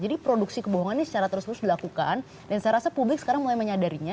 jadi produksi kebohongan ini secara terus terus dilakukan dan saya rasa publik sekarang mulai menyadarinya